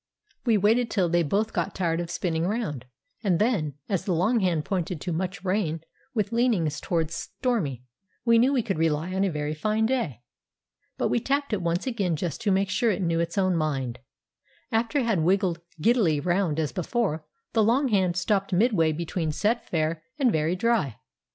We waited till they both got tired of spinning round, and then, as the long hand pointed to "Much Rain," with leanings towards "Stormy," we knew we could rely on a very fine day. But we tapped it once again, just to make sure it knew its own mind. After it had wiggled giddily round as before, the long hand stopped midway between "Set Fair" and "Very Dry."